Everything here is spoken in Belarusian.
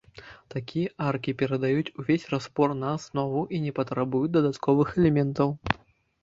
Такія аркі перадаюць увесь распор на аснову і не патрабуюць дадатковых элементаў.